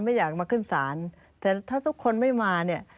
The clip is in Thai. ไม่อยากมาขึ้นศาลแต่ถ้าทุกคนไม่มาเนี่ย